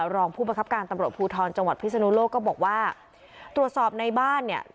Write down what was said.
รองผู้ประคับการตำรวจภูทรจังหวัดพิศนุโลกก็บอกว่าตรวจสอบในบ้านเนี่ย